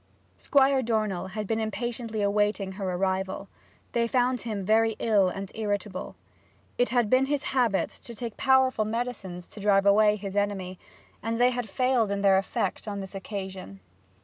Squire Dornell had been impatiently awaiting her arrival. They found him very ill and irritable. It had been his habit to take powerful medicines to drive away his enemy, and they had failed in their effect on this occasion.